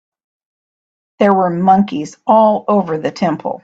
There were monkeys all over the temple.